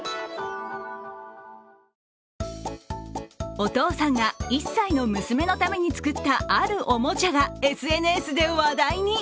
お父さんが１歳の娘のために作ったあるおもちゃがＳＮＳで話題に。